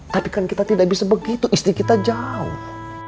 tapi kan kita tidak bisa begitu istri kita jauh